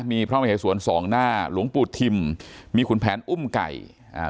มีพระมเหสวนสองหน้าหลวงปู่ทิมมีคุณแผนอุ้มไก่อ่า